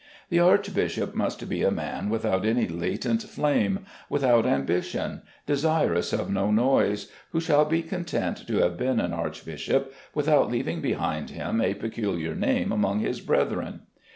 The archbishop must be a man without any latent flame, without ambition, desirous of no noise, who shall be content to have been an archbishop without leaving behind him a peculiar name among his brethren.